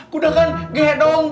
kuda kan gedong